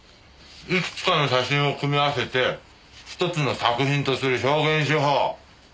いくつかの写真を組み合わせて１つの作品とする表現手法。